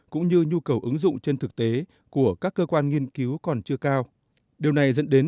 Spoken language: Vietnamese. cũng như nhu cầu ứng dụng trên thực tế của các cơ quan nghiên cứu còn chưa cao điều này dẫn đến